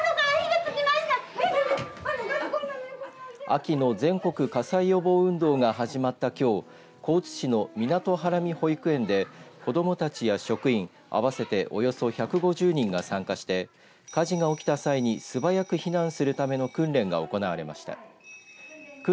秋の全国火災予防運動が始まったきょう高知市の湊孕保育園で子どもたちや職員、合わせておよそ１５０人が参加して火事が起きた際に素早く避難するための訓練が行われました。